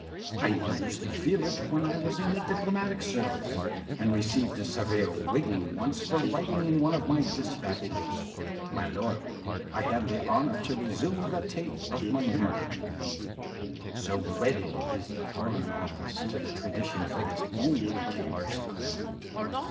I even used to feel it when I was in the diplomatic service, and received a severe "wigging" once for writing in one of my despatches, "My lord, I have the honour to resume the 'tape' of my narrative" so wedded is the Foreign Office to the traditions of its own peculiar style.